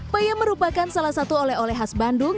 peyem merupakan salah satu oleh oleh khas bandung